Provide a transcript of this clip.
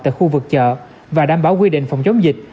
tại khu vực chợ và đảm bảo quy định phòng chống dịch